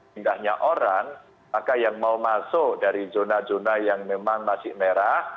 pindahnya orang maka yang mau masuk dari zona zona yang memang masih merah